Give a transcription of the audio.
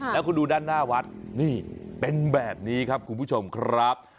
แล้วคุณดูด้านหน้าวัดนี่เป็นแบบนี้ครับคุณผู้ชมครับ